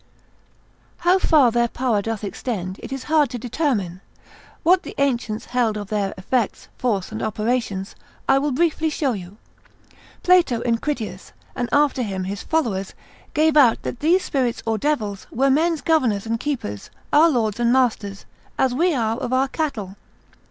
How far their power doth extend it is hard to determine; what the ancients held of their effects, force and operations, I will briefly show you: Plato in Critias, and after him his followers, gave out that these spirits or devils, were men's governors and keepers, our lords and masters, as we are of our cattle.